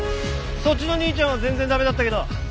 そっちの兄ちゃんは全然駄目だったけど。